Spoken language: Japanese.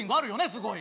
すごい。